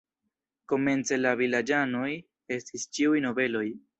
Komence la vilaĝanoj estis ĉiuj nobeloj.